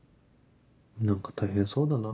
何か大変そうだな。